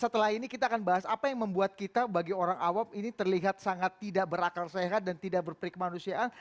setelah ini kita akan bahas apa yang membuat kita bagi orang awam ini terlihat sangat tidak berakal sehat dan tidak berperikmanusiaan